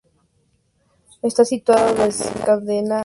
Esta situación desencadena una crisis política de trágicas consecuencias.